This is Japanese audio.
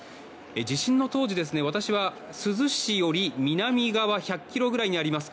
地震の当時、私は珠洲市より南側１００ｋｍぐらいにあります